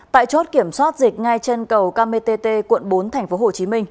tại chốt kiểm soát dịch ngay trên cầu ket quận bốn tp hcm